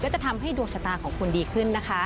จะทำให้ดวงชะตาของคุณดีขึ้นนะคะ